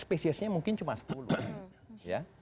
spesiesnya mungkin cuma sepuluh